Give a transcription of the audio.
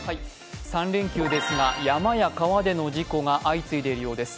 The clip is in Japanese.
３連休ですが山や川での事故が相次いでいるようです。